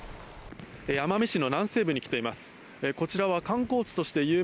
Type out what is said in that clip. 奄美市の南西部に来ています。